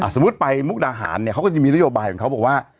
สมมุติไปมุกดาหารเนี่ยเขาก็จะมีนโยบายของเขาบอกว่า